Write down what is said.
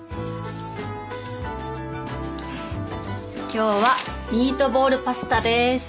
今日はミートボールパスタです。